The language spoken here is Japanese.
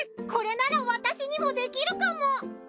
これなら私にもできるかも。